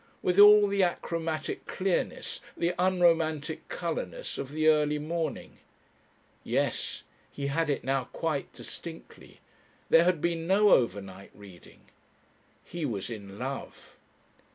With all the achromatic clearness, the unromantic colourlessness of the early morning.... Yes. He had it now quite distinctly. There had been no overnight reading. He was in Love.